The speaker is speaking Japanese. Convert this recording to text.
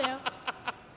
ハハハハ。